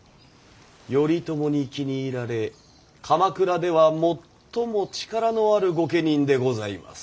頼朝に気に入られ鎌倉では最も力のある御家人でございます。